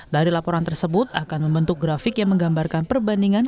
dari laporan tersebut akan membentuk grafik yang menggambarkan perbandingan